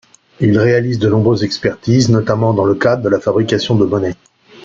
Il réalise de nombreuses expertises notamment dans le cadre de la fabrication de monnaie.